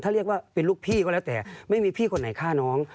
ถ้าเรียกว่าเป็นลูกพี่ก็แล้วแต่ไม่มีพี่คนไหนฆ่าน้อง